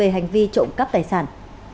hành vi trộm cắp tài sản